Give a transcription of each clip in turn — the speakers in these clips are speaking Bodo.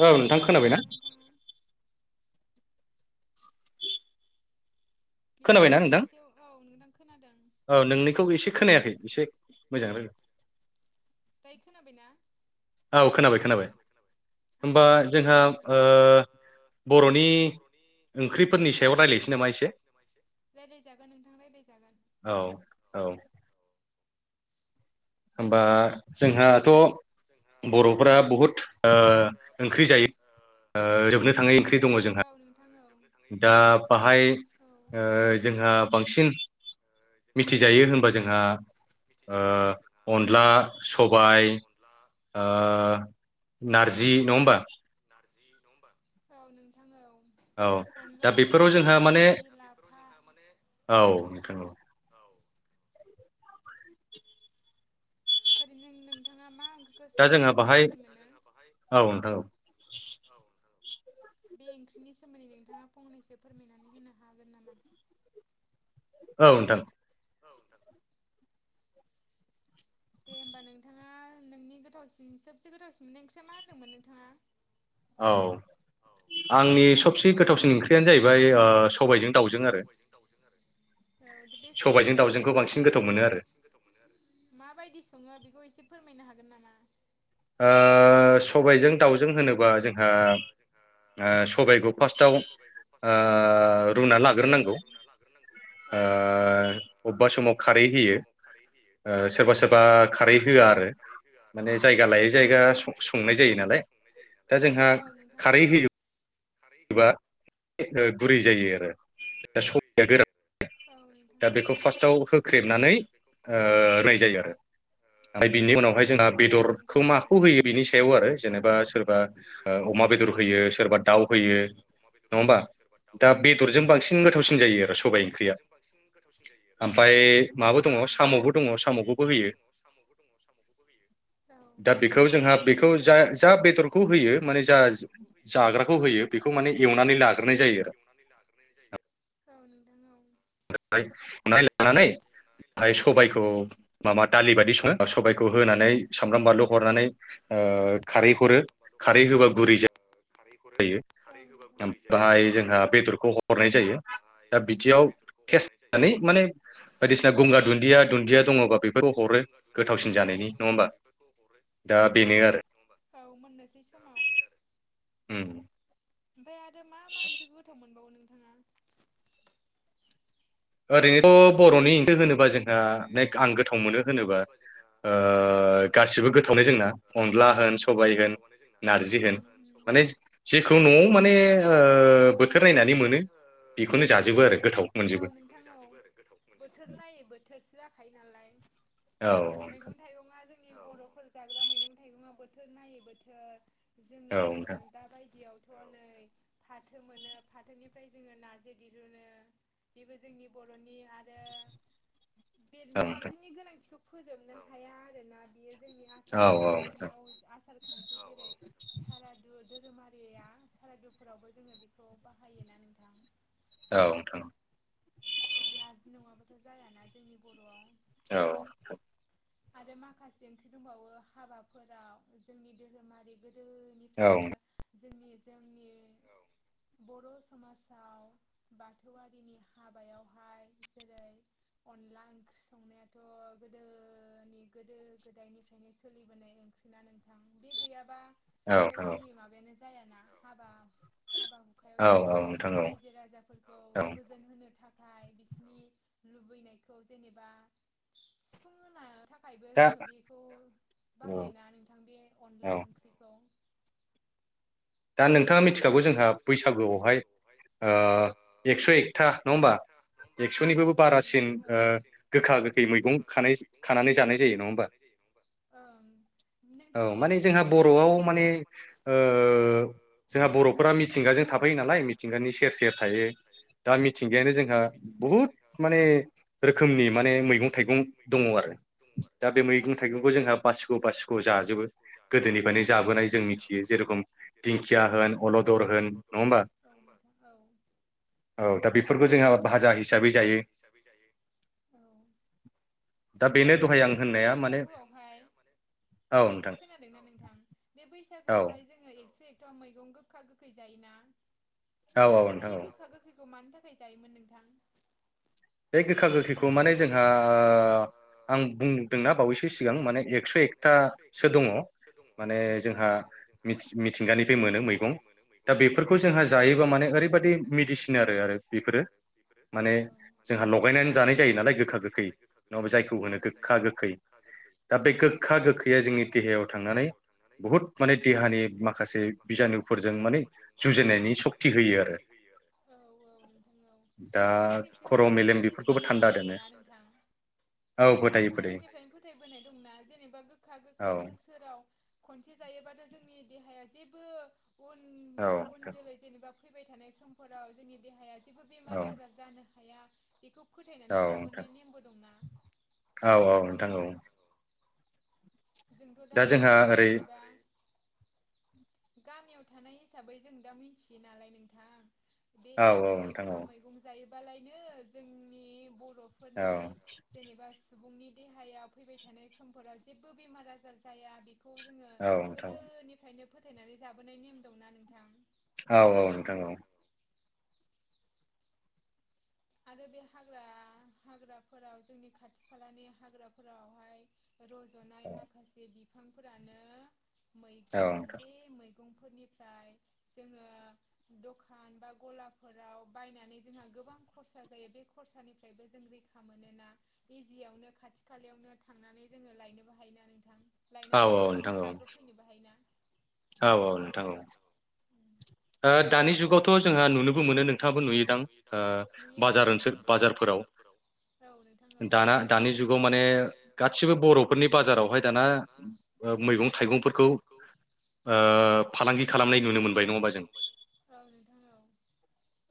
औ नोंथां खोनाबाय ना? खोनाबायना नोंथां औ नोंनिखौ एसे खोनायाखै एसे मोजां रायलाय गायखोना बायना औ खोनाबाय खोनाबाय होनबा जोंहा ओ बर'नि ओंख्रिफोरनि सायाव रायज्लायनोसै नामा एसे रायज्लायजागोन नोंथां राय्लायजागोन होनबा जोंहाथ' बर'फोरा बहुद ओ ओंख्रि जायो। ओ जोबनो थाङै ओंख्रि दङ जोंहा दा बाहाय ओ जोंहा बांसिन मिथिजायो होनबा जोंहा ओ अनला सबाय आ नारजि नङा होमबा औ नोंथां औ अनला सबाय नारजि लाफा औ नोंथां औ ओरैनो नोंथाङा मा साबसे गोथावसिन औ बे ओंख्रिनि सोमोन्दै नोंथाङा फंनैसो फोरमायनानै होनो हागोन नामा औ नोंथां दे होमबा नोंथाङा नोंनि गोथावसिन सबसे गोथावसिन मोननाय ओंखफ्राय मा होनदोंमोन नोंथाङा औ आंनि सबसे गोथावसिन ओंख्रियानो जाहैबाय सबबायजों दाउजों आरो औ बे सबायजों दाउजोंखौ माबायदि सङो बेखौ एसे फोरमायनो हागोन नामा ओ सबायजों दाउजों होनोबा जोंहा आ सबायखौ ओ सबायखौ फास्टआव ओ गिबियावनो रुना लाग्रोनांगौ औ नोंथां ओ अबेबा समाव खारै होयो ओ सोरबा सोरबा खारै होआ आरो माने जाय गा लायै जायगा संनाय जायो नालाय दा जोंहा खारै होयो। बा गुरै जायो आरो दा सबाया गोरा दा बेखौ फास्टआव होख्रेबनानै ओ रुनाय जायो आरो बेनि उनावहाय जोंहा बेदरखौ माखौ होयो बेनि सायाव आरो जेनेबा सोरबा ओ अमा बेदर होयो सोरबा दाउ होयो नङा होमा दा बेदरजों बांसिन गोथावसिन जायो आरो सबाय ओंख्रिया ए माबो दङ' साम'बो दङ' साम'खौबो होयो दा बे खौ जोंहा बेखौ जा जा बेदरखौ होयो माने जा जाग्राखौ होयो जाग्राखौ होयो बेखौ माने एवनानै लाग्रोनाय जायो औ नोंथां ओमफ्राय ओ एवनानै लानानै ओमफ्राय सबायखौ माबा दालि बायदि सङो सबायखौ होनानै सामब्राम बानलु हरनानै ओ खारै हरो खारै होबा गुरै जायो ओमफाय जोंहा बेदरखौ हरनाय जायो दा बिदियाव टेस्ट नायनानै माने बायदिसिना गंगार दुन्दिया दुन्दिया दङबा बेफोरखौ हरो गोथावसिन जानायनि नङा होमबा दा बेनो आरो मोननोसेै समाव दा बेनो आरो उम ओमफाय आरो मा मा ओंख्रिखौ गोथाव मोनबावो नोंथाङा ओरैनोथ' बर'नि ओंख्रि होनोब बा जोंहा लाइक आं गोथाव मोनो होनोबा ओ गासिबो गोथावलाय जोंनो अन ला होन सबाय होन नारजि होन माने जेखौ न'आव माने ओ बोथोर नायनानै मोनो बेखौनो जाजोबो आरो गोथाव मोनजोबो बोथोर नायै बोथोरसो जाखायो नालाय मैगं थाइगंआ जों नि बर'फोर जाग्रा मैगं थाइगङा बोथोर नायै बोथोर जोङो दा बायदियाव फाथो मोनो फाथोनिफ्राय जोङो नार्जि दिरुनो बेबो जोंनि बर'नि आरो बे नारजिनि गोनांथिखौ फोजोबनो हाया आरोना बेयो जोंनि आसार खान्थियाव आसार खान्थि जेरै सारादुध धोरोमारिया सारादुफोरावबो जोङो बेखौ बाहायोना नोंथां औ नोंथां औ औ नोंथां नारजि नङाब्लाथ' जायाना जोंनि बर'आव औ आरो माखासे ओंख्रि दंबावो हाबाफोराव जोंनि धोरोमारि गो दोनिफ्रायनो जोंनि जोंनि औ बर' समाजाव बाथौआरिनि हाबायाव जेरै अनला ओंख्रि संनायाथ' गोदोनि गोदो गोदायनिफ्रायनो सोलिबोनाय ओंख्रिना नोंथां बे गैयाबा थ' जोंनि माबायानो जायाना हाबा हाबा हुखायाव जेनेबा रायजो राजाफोरखौ गोजोन होनो था खाय बिसिनि लुबैनायखौ जेनेबा सुफुंहोनो था खायबो जोङो बेखौ बाहायोना नोंथां बे अनला ओंख्रिखौ। दा नोंथाङा मिथिखागौ जोंहा बैसागुआवहाय ओ एक्स' एकथा नङा होमबा? एक्स'निबो बो बारासिन ओ गोखा गोखै मैगं खानाय खानानै जानाय जायो नङा होमबा। औ माने जोंहा बर'आव माने ओ जोंहा बर'फोरा मिथिंगाजों थाफायो नालाय मिथिंगानि सेर-सेर थायो दा मिथिंगायानो जोंहा बु बुहुत माने रोखोमनि माने मैगं थाइगं दङ आरो दा बे मैगं थाइगं बो बो जोंहा बासिखौ' बासिखौ' जाजोबो गोदोनिफ्रायनो जाबोनाय जों मिथियो जेरेखम। दिंखिया होन अलदर होन नङा होमबा। औ दा बेफोरखौ जोंङा भाजा हिसाबै जायो औ। ओरैनो नोंथाङा बैसागुआवहाय। खोनादोंना नोंथां बे बैसागुआवहाय जोङो एक्स' एक था मैगं गोखा गोखै जायोना बे औ गोखा गोखैखौ मानो थाखाय फैजायोमोन नोंथां। बे गोखा गोखैखौ माने जोंहा ओ आं बुंदोंना बावैसो सिगां माने एक्स' एकथा एक्स' एकथासो दङा औ माने जोंहा मिथि मिथिंगानि बे मोनो मैगं। बेफोरखौ जोंहा जायोबा माने ओरैबायदि मेदिसिन आरो आरो बेफोरो माने जोंहा अयनेन जानाय जायो नालाय गोखा गोखै नङाबा जायखौ होनो गोखा गोखै दा बे गोखा गोखै थैआ जोंनि देहायाव थांनानै बुहुत माने देहानि माखासे बिजानुफोरजों माने जुजिनायनि चक्ति होयो आरो औ-औ नोंथां औ आरो जोंनि [unintelligible] अ मेलेम बेफोरखौ फोथायोना आरो नोंथां। [unintelligible] गोदोनिफ्रायनो फोथायबोनाय दंना जेनेबा गोखा गोखै बोसोराव खनसे [unintelligible] जायोबानो जोंनि देहाया जेबो उन-उन जेरै जेनेबा फैबाय थानाय समफोराव जोंनि देहाया जेबो बेमार आजार जानो हाया बेखौ फोथायनानै जाबोनाय नेमबो दंना। जोंथ' दा इदिसो जेनेबा। गामियाव थानाय हिसाबै जों दा मिथियो नालाय नोंथां। बे एक्स' एकथा मैगं जायोबालायनो जोंनि ब र'फोरनि औ जेनेबा सुबुंनि देहाया फैबाय थानाय समफोरा जे बो बेमार आजार जाया बेखौ रोङो गोदोनिफ्रायनो। फोथायनानै जाबोनाय नेम दंना नोंथां। औ-औ नोंथां औ। आरो बे हाग्रा हाग्राफोराव जोंनि खाथि खालानि हाग्राफोरावहाय। रज'नाय माखासे बिफांफोरानो मैगं बे मैं मैगंफोरनिफ्राय जोङो दखान बा गलाफोराव बायनानै जोंहा गोबां ख खरसा जायो बे खरसानिफ्रायबो जों रैखा मोनोना इजियावनो खाथि खालायावनो थांनानै जों जोङो लायनोबो हाय ना नोंथां लायनानै संनानै जाब्रोब फैनोबो हायोना। औ-औ नोंथां औ। ओ दानि जुगावथ' जोंहा नुनोबो मोनो नोंथाङाबो नुयोदां ओ। ओ नुयो नोंथां नुयो बाजारओंसो बाजारफोराव औ नोंथां औ दाना दानि जुगाव माने सिबो बर'फोरनि बाजारावहाय दाना ओ मैगं थाइगंफोरखौ ओ फालांगि खालामनाय नुनो मोनबाय नङाबा जों।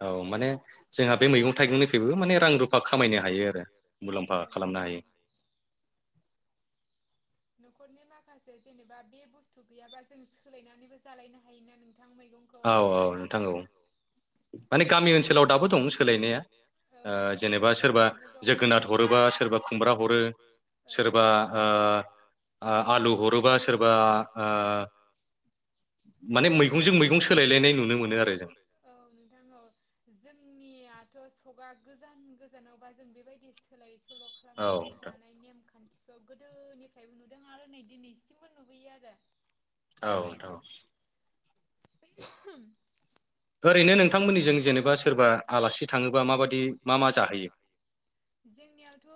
औ माने जोंहा बे मैगं थाइगंनिफ्रायबो माने रां रुफा खामायनो हायो आरो मुलाम्फा खालामनो हायो। [inaudible] न'खरनि माखासे जेनेबा बे बुस्थु गैयाबा जों सोलायनानैबो जालायनो हायोना नोंथां। औ औ नोंथां औ। माने गामि ओनसोलाव दाबो दं सोलायनाया ओ जेनेबा सोरबा जोगोनार हरोबा हरोबा सोरबा खुमब्रा हरो औ नोंथां औ सोरबा ओ आ आलु हरोबा सोरबा ओ माने मैगंजों मैगंसो सोलायलायनाय नुनो मोनो आरो जों औ नोंथां औ जोंनिआ थ' सकआ गोजान गोजानावबा जों बेबायदि सोलाय सोल' खालामनानै औ जानाय नेमखान्थि गोदोनिफ्रायबो नुदों आरो नै दिनैसिसिमबो नुबोयो आरो औ नोंथां औ [unintelligible] ओरैनो नोंथांमोननिजों जेनेबा सोरबा आलासि थाङोबा माबायदि मा मा जाहोयो जोंनियावथ'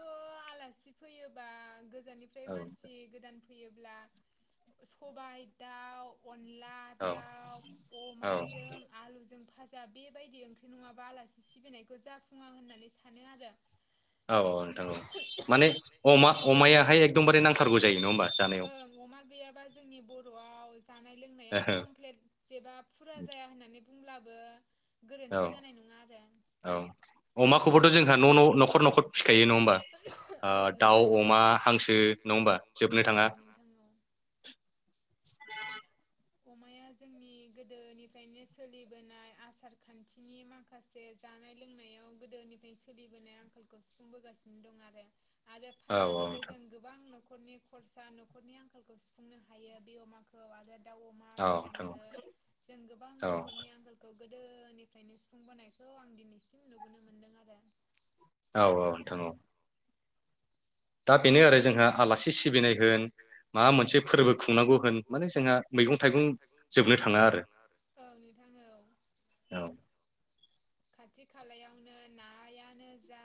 आलासि फैयो बा गोजाननिफ्राय मानसि गोदान फैयोब्ला सबाय दाउ अन अनला दाउ अमाजों आलुजों भाजा बेबायदि ओंख्रि नङाबा आलासि सिबिनायखौ जाफुङा होननानै सानो आरो [inaudible] औ औ नोंथां औ माने अमा अमायाहाय एकदमबारे नांथारगौ जायो नङा होमबा? जानायाव गैयाबा जोंनि बर'आव जानाय लोंनाया कमप्लेट जेबा फुरा जाया होननानै बुंब्लाबो गोरोन्थि जानाय नङा आरो औ अमाखौबोथ' जोंहा न'-न' न'खर-न'खर फिखायो नङा होमबा? औ नोंथां औ, अमा हांसो नङा होमबा औ नोंथां औ [unintelligible] अमाया जोंनि गोदोनिफ्रायनो सोलिबोनाय आसार खान्थिनि माखासे जा जानाय लोंनायाव गोदोनिफ्राय सोलिबोनाय आंखालखौ सुफुंबोगासिनो दं आरो आरो फाननानैबो जों गोबां न'ख खरनि खरसा न'खरनि आंखालखौ सुफुंनो हायो बे अमाखौ आरो दाउ अमा फिसिनानैबो जों गोबां न'खरनि आंखालखौ गोदोनिफ्रायनो सुफुंबोनायखौ आं दिनैसिम नुबोनो मोनदों आरो औ औ नोंथां औ दा बेनो आरो जोंहा आलासि सिबिनाय होन माबा मोनसे फोरबो खुंनांगौ होन माने जोंहा मैगं थाइगं जोबनो थाङा आरो, औ नोंथां औ औ खाथि खालायावनो नायानो जा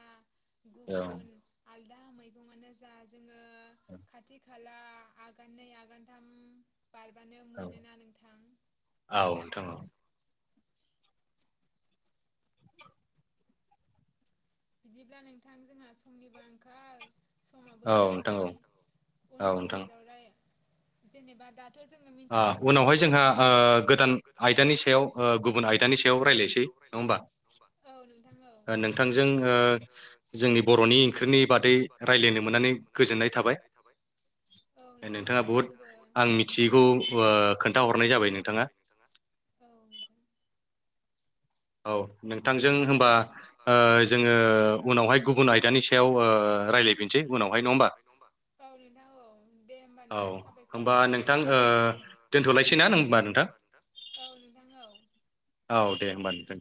गुबुन आलदा मैगंआनो ज जा जोङो खाथि खाला आगाननै आगानथाम बारबानो मोनोना नोंथां बिदिब्ला नोंथां जोंहा समनिबो आंखाल समाबो जाबाय उन समफोरावराय जेनेबा दा थ जोङो मिथियैखौबो मोन्थिनो मोनो ने नोंथां औ नोंथां औ ओ जोंनि बर'नि ओंख्रिनि बादै रायज्लायनो मोननानै गोजोननाय थाबाय नोंथाङा बहुद आं मिथियैखौ खोन्था हरनाय जाबाय नोंथाङा औ नोंथांजों होमबा ओ जों ओ जोङो उनावहाय गुबुन आयदानि सायाव ओ राय्लायफिनसै उनावहाय नङा होम्बा? औ नोंथां औ औ दे होमबा नोंथां साबायखर, औ होमबा नोंथां ओ दोनथ'लायसै ना होमबा नोंथां औ नोंथां औ औ दे होमबा नोथां